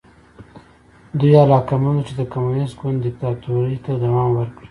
دوی علاقمند وو چې د کمونېست ګوند دیکتاتورۍ ته دوام ورکړي.